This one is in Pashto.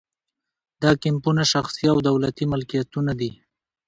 دا کیمپونه شخصي او دولتي ملکیتونه دي